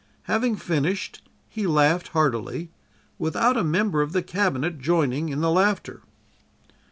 Having finished, he laughed heartily, without a member of the Cabinet joining in the laughter.